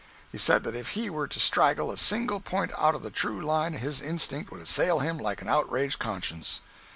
He said that if he were to straggle a single point out of the true line his instinct would assail him like an outraged conscience.